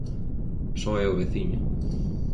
Só é o veciño.